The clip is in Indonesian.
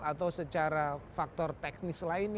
atau secara faktor teknis lainnya